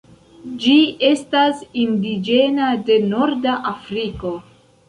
Ĝi estas indiĝena de norda Afriko.